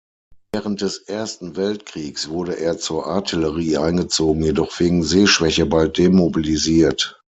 Während des Ersten Weltkriegs wurde er zur Artillerie eingezogen, jedoch wegen Sehschwäche bald demobilisiert.